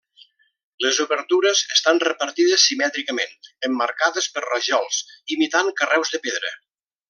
Les obertures estan repartides simètricament, emmarcades per rajols imitant carreus de pedra.